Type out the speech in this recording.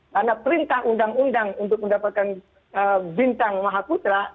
karena perintah undang undang untuk mendapatkan bintang maha putra